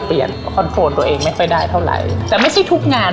คอนโฟนตัวเองไม่ค่อยได้เท่าไหร่แต่ไม่ใช่ทุกงาน